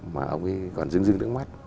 mà ông ấy còn dưng dưng nước mắt